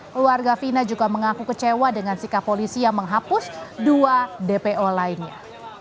keluarga fina juga mengaku kecewa dengan sikap polisi yang menghapus dua dpo lainnya